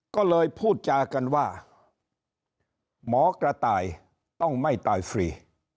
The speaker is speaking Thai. ก็เลยพูดจากันว่าหมอกระต่ายต้องไม่ตายฟรี